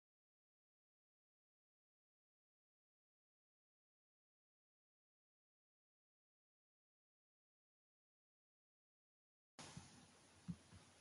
The film was originally intended to be called "Monte Carlo and All That Jazz".